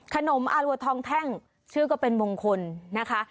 ขนมอารัวทองแท่งชื่อก็เป็นมงคลนะคะ